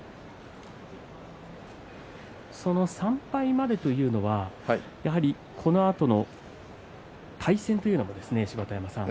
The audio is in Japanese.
３敗までというのはこのあとの対戦というのは芝田山さん